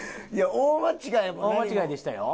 大間違いでしたよ。